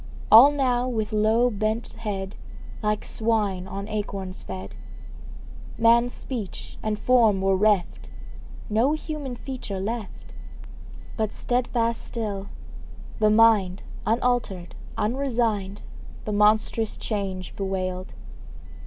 All now with low bent head, Like swine, on acorns fed; Man's speech and form were reft, No human feature left; But steadfast still, the mind, Unaltered, unresigned, The monstrous change bewailed.